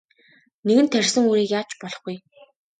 Нэгэнт тарьсан үрийг яаж ч болохгүй.